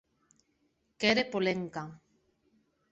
Qu’ère Polenka.